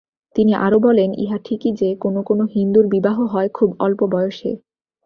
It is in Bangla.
তিনি আরও বলেন ইহা ঠিকই যে কোন কোন হিন্দুর বিবাহ হয় খুব অল্প বয়সে।